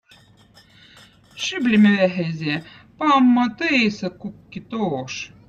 Šiblimme väheze, paammõ tõisi kukki toož.